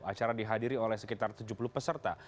acara dihadiri oleh sekitar tujuh puluh peserta